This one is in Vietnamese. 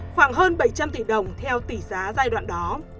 khoảng hơn bảy trăm linh tỷ đồng theo tỷ giá giai đoạn đó